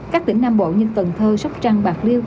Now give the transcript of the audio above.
các tỉnh nam bộ như cần thơ sóc trăng bạc liêu